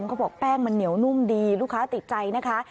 ก็บอกแป้งเหนียวนุ่มลูกค้าติดใจนะคะ